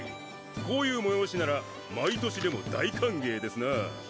こういう催しなら毎年でも大歓迎ですなあ